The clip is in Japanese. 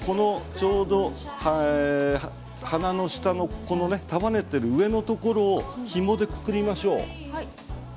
ちょうど束ねている上のところをひもでくくりましょう。